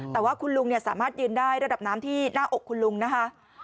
แต่ว่าคุณลุงสามารถยืนได้ระดับน้ำที่หน้าอกคุณลุงนะคะ